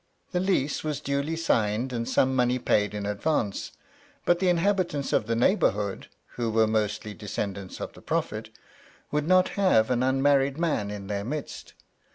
The lease was duly signed and some money paid in advance, but the inhabitants of the neighborhood (who were mostly descendants of the Prophet) would not have an unmarried man in their midst.